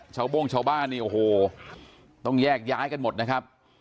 โบ้งชาวบ้านเนี่ยโอ้โหต้องแยกย้ายกันหมดนะครับ